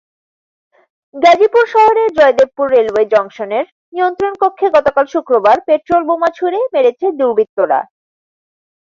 গাজীপুর শহরের জয়দেবপুর রেলওয়ে জংশনের নিয়ন্ত্রণকক্ষে গতকাল শুক্রবার পেট্রলবোমা ছুড়ে মেরেছে দুর্বৃত্তরা।